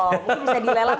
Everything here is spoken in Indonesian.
oh ini bisa dilelam pak